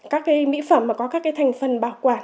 các cái mỹ phẩm mà có các cái thành phần bảo quản